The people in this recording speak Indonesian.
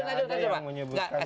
tidak ada yang menyebutkan